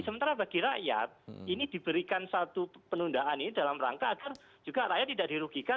sementara bagi rakyat ini diberikan satu penundaan ini dalam rangka agar juga rakyat tidak dirugikan